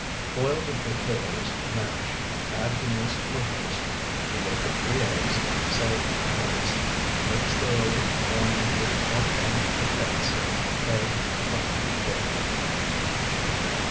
Boil the potatoes, mash, add the minced protose, the yolk of three eggs, salt, and mace. Mix thoroughly, form into oblong croquettes; egg, crumb, and bake.